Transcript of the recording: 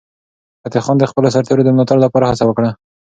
فتح خان د خپلو سرتیرو د ملاتړ لپاره هڅه وکړه.